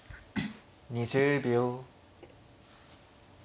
２０秒。